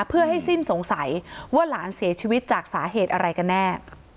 เพื่อให้สิ้นสงสัยว่าหลานเสียชีวิตจากสาเหตุอะไรกันแน่